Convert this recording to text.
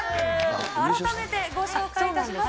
改めてご紹介いたします。